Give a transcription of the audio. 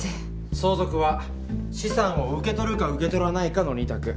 相続は資産を受け取るか受け取らないかの２択。